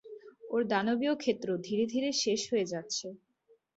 ওর দানবীয় ক্ষেত্র ধীরে ধীরে শেষ হয়ে যাচ্ছে।